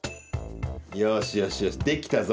よしよしよしできたぞ